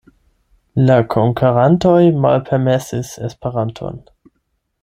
La konkerantoj malpermesis Esperanton.